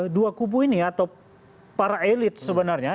dua kubu ini atau para elit sebenarnya